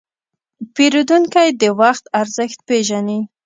پیرودونکی د وخت ارزښت پېژني.